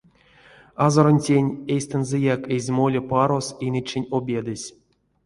Азоронтень эстензэяк эзь моле парос инечинь обедэсь.